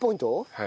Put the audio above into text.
はい。